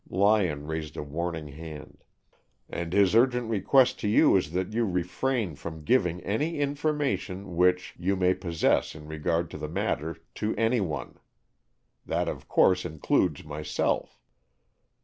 Lyon raised a warning hand. "And his urgent request to you is that you refrain from giving any information which, you may possess in regard to the matter to any one. That of course includes myself."